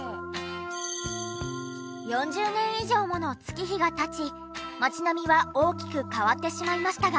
４０年以上もの月日が経ち街並みは大きく変わってしまいましたが。